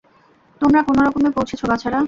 তোমরা কোনরকমে পৌঁছেছ, বাছারা।